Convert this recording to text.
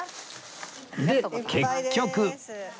で結局